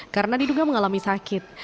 karena diduga mengalami sakit